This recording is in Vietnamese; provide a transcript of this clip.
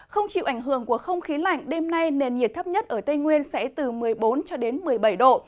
không chịu ảnh hưởng của không khí lạnh đêm nay nền nhiệt thấp nhất ở tây nguyên sẽ từ một mươi bốn cho đến một mươi bảy độ